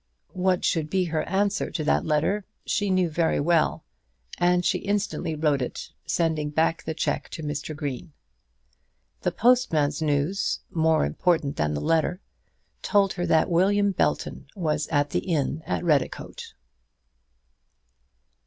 What should be her answer to that letter she knew very well, and she instantly wrote it, sending back the cheque to Mr. Green. The postman's news, more important than the letter, told her that William Belton was at the inn at Redicote.